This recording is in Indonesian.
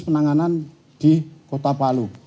penanganan di kota palu